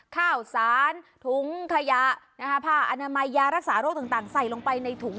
ข้าวสารถุงขยะผ้าอนามัยยารักษาโรคต่างใส่ลงไปในถุง